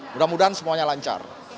mudah mudahan semuanya lancar